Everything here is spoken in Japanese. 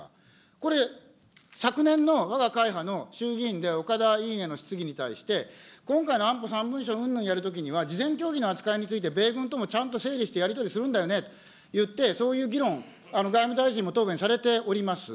これ、昨年のわが会派の衆議院でおかだ委員への質疑に対して、今回の安保３文書うんぬんやるときには、事前協議の扱いについて米軍とのちゃんと整理してやり取りするんだよねと言って、そういう議論、外務大臣も答弁されております。